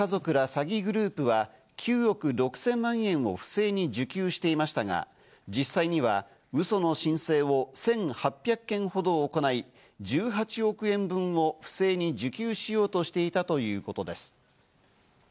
詐欺グループは９億６０００万円を不正に受給していましたが、実際にはウソの申請を１８００件ほど行い、１８億円分を不正に受給しようとしていたということです。